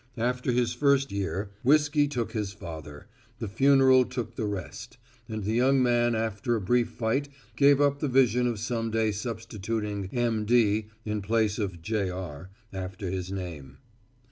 After his first year, whiskey took his father, the funeral took the rest, and the young man after a brief fight gave up the vision of some day substituting "M.D." in place of "Jr." after his name.